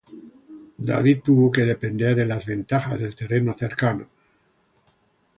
David tuvo que depender de las ventajas del terreno cercano.